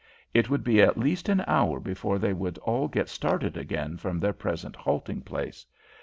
It would be at least an hour before they would all get started again from their present halting place.